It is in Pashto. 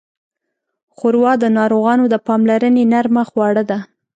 ښوروا د ناروغانو د پاملرنې نرمه خواړه ده.